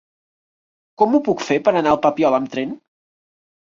Com ho puc fer per anar al Papiol amb tren?